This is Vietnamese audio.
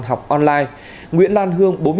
học online nguyễn lan hương